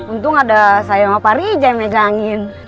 untung ada saya sama pak riza yang megangin